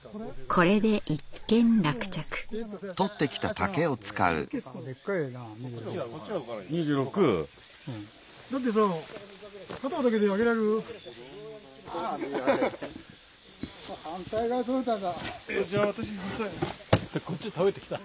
こっち倒れてきた。